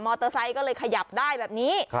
เตอร์ไซค์ก็เลยขยับได้แบบนี้